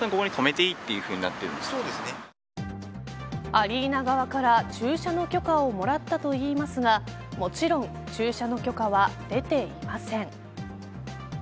アリーナ側から駐車の許可をもらったといいますがもちろん、駐車の許可は出ていません。